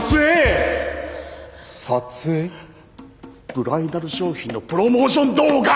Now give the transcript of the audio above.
ブライダル商品のプロモーション動画！